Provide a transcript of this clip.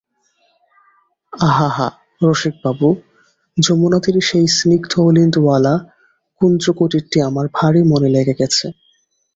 আহাহা রসিকবাবু, যমুনাতীরে সেই স্নিগ্ধ অলিন্দওয়ালা কুঞ্জকুটিরটি আমার ভারি মনে লেগে গেছে।